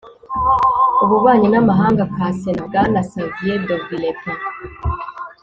ububanyi n'amahanga ka sénat, bwana xavier de villepin,